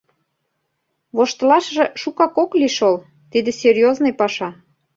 Воштылашыже шукак ок лий шол, тиде серьёзный паша...